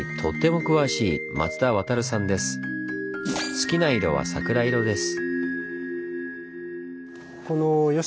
好きな色は桜色です。